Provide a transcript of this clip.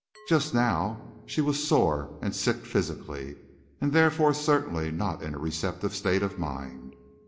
Just now she was sore and sick physically, and therefore certainly not in a receptive state of mind.